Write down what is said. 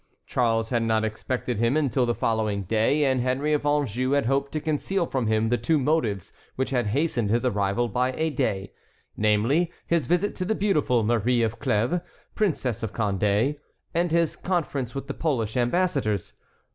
Charles had not expected him until the following day, and Henry of Anjou had hoped to conceal from him the two motives which had hastened his arrival by a day, namely, his visit to the beautiful Marie of Clèves, princess of Condé, and his conference with the Polish ambassadors.